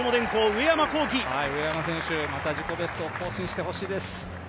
上山選手、また自己ベストを更新してほしいです。